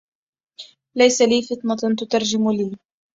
ليس لي فطنة تترجم عني